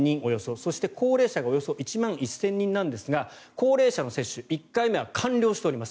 そして、高齢者がおよそ１万１０００人ですが高齢者の接種１回目は完了しております。